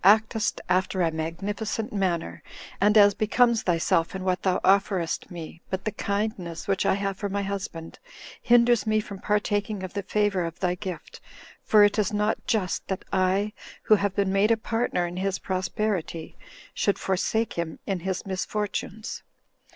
actest after a magnificent manner, and as becomes thyself in what thou offerest me; but the kindness which I have for my husband hinders me from partaking of the favor of thy gift; for it is not just that I, who have been made a partner in his prosperity, should forsake him in his misfortunes."